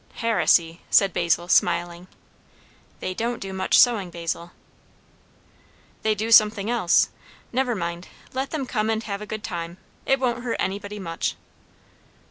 "Heresy," said Basil, smiling. "They don't do much sewing, Basil." "They do something else. Never mind; let them come and have a good time. It won't hurt anybody much."